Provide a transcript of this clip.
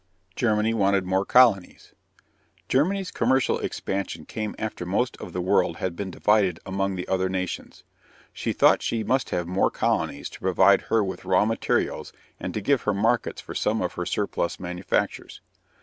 GERMANY WANTED MORE COLONIES. Germany's commercial expansion came after most of the world had been divided among the other nations. She thought she must have more colonies to provide her with raw materials and to give her markets for some of her surplus manufactures.